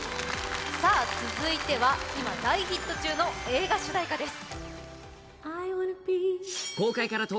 続いては今大ヒット中の映画主題歌です。